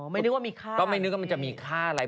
ไม่นึกว่ามีค่าก็ไม่นึกว่ามันจะมีค่าอะไร